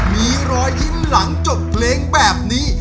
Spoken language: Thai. มีรอยยิ้มหลังจบเพลงแบบนี้